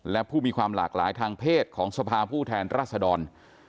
และผู้มีความหลากหลายทางเพศของสภาผู้แทนราษดร